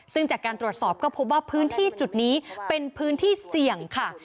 ซึ่งจากการตรวจสอบก็พบว่าพื้นที่จุดนี้เป็นพื้นที่เสี่ยงค่ะ